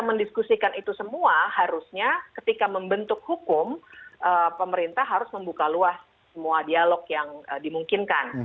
mendiskusikan itu semua harusnya ketika membentuk hukum pemerintah harus membuka luas semua dialog yang dimungkinkan